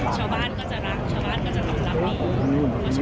ชาวบ้านก็จะรักชาวบ้านก็จะสอบสมัครใหม่